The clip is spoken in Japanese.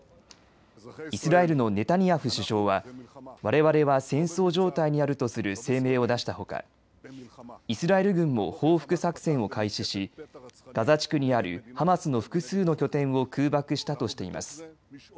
イスラエルのネタニヤフ首相はわれわれは戦争状態にあるとする声明を出したほかイスラエル軍も報復作戦を開始しガザ地区にあるハマスの複数の拠点を空爆したとしています。